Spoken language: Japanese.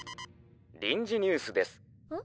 臨時ニュースです。